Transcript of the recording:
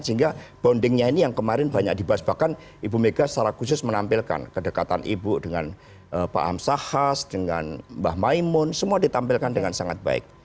sehingga bondingnya ini yang kemarin banyak dibahas bahkan ibu mega secara khusus menampilkan kedekatan ibu dengan pak amsahas dengan mbak maimun semua ditampilkan dengan sangat baik